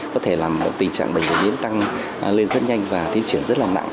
có thể làm tình trạng bệnh nhiễm tăng lên rất nhanh và tiến triển rất là nặng